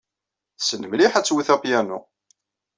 Tessen mliḥ ad twet apyanu.